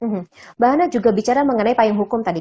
mbak hana juga bicara mengenai payung hukum tadi